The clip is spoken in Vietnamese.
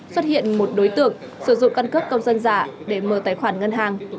xuất hiện một đối tượng sử dụng căn cước công dân giả để mở tài khoản ngân hàng